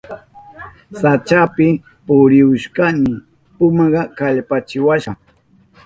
Sachapi purihushpayni pumaka kallpachiwashka.